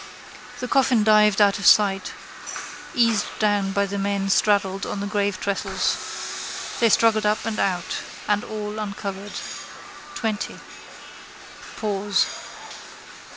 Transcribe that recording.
The coffin dived out of sight, eased down by the men straddled on the gravetrestles. They struggled up and out: and all uncovered. Twenty. Pause.